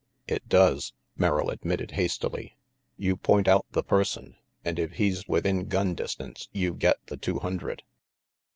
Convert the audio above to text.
"It does," Merrill admitted hastily. "You point out the person, and if he's within gun distance, you get the two hundred."